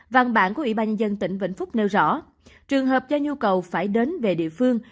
văn bản của ủy ban nhân dân tỉnh vĩnh phúc nêu rõ trường hợp do nhu cầu phải đến về địa phương